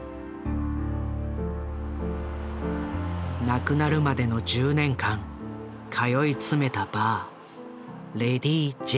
亡くなるまでの１０年間通い詰めたバーレディ・ジェーン。